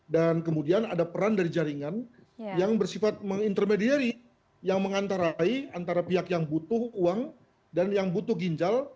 dan kemudian ada peran dari jaringan yang bersifat mengintermediari yang mengantarai antara pihak yang butuh uang dan yang butuh ginjal